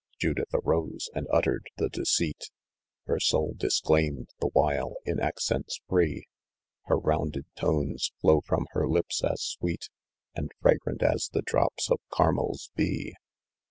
Judith arose, and ottered the deceit, Her soul disclaimed the while, in accents free : Her rounded tones flow from her lips as sweet And fragrant as the drops of Carmel's bee.